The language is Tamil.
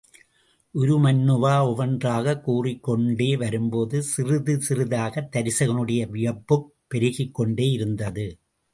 உருமண்ணுவா ஒவ்வொன்றாகக் கூறிக் கொண்டே வரும்போது சிறிது சிறிதாகத் தருசகனுடைய வியப்புப் பெருகிக்கொண்டே இருந்தது.